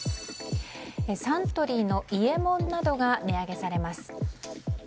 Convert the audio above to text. サントリーの伊右衛門などが値上げされます。